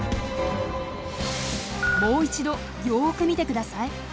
もう一度よく見て下さい。